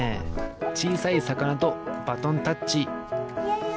ちいさいさかなとバトンタッチ。